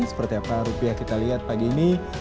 seperti apa rupiah kita lihat pagi ini